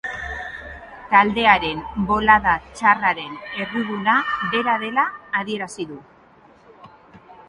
Taldearen bolada txarraren erruduna bera dela adierazi du.